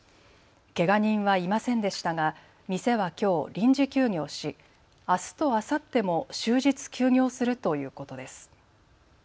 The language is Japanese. けが人はいませんでしたが店はきょう臨時休業しあすとあさっても終日休業するということです。